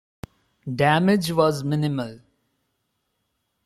Damage was minimal.